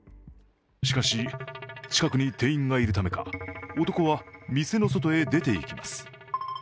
しかし、近くに店員がいるためか男は店の外へ出ていきます。